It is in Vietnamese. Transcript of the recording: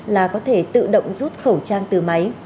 là có thể tự động rút khẩu trang từ máy